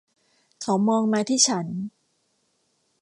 เขามองมาที่ฉัน